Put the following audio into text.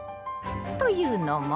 というのも。